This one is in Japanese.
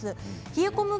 冷え込む